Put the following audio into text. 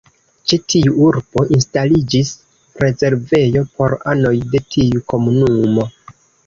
Ĉe tiu urbo instaliĝis rezervejo por anoj de tiu komunumo.